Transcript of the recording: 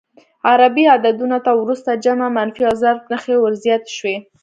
عربي عددونو ته وروسته جمع، منفي او ضرب نښې ور زیاتې شوې.